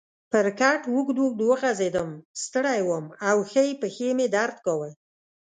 پر کټ اوږد اوږد وغځېدم، ستړی وم او ښۍ پښې مې درد کاوه.